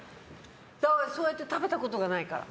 そうやって食べたことがないから。